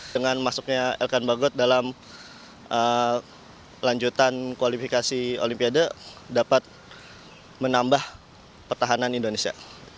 dengan masuknya elkan bagot dalam lanjutan kualifikasi olimpiade dapat menambah pertahanan indonesia